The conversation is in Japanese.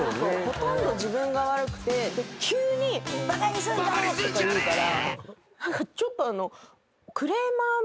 ほとんど自分が悪くて急に「バカにすんじゃねえ」とか言うから。